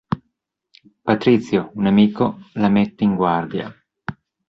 Patrizio, un amico, la mette in guardia.